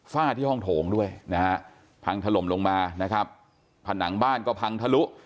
ฟาดที่ห้องโถงด้วยพังถล่มลงมาผนังบ้านก็พังทะลุ